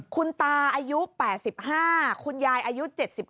คุณตาอายุ๘๕คุณยายอายุ๗๙